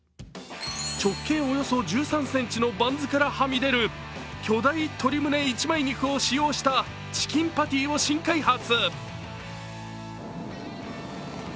直径およそ１３ｃｍのバンズからはみ出る巨大鶏むね一枚肉を使用したチキンパティを新開発。